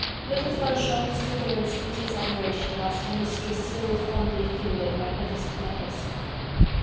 Little Fanchon stood there in speechless admiration, whilst her mistress still fondly fingered the magnificent necklace.